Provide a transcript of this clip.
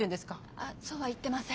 あそうは言ってません。